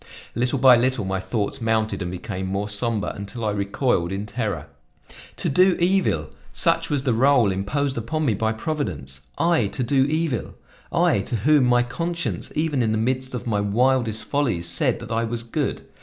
Little by little, my thoughts mounted and became more somber until I recoiled in terror. "To do evil! Such was the role imposed upon me by Providence! I, to do evil! I, to whom my conscience, even in the midst of my wildest follies, said that I was good!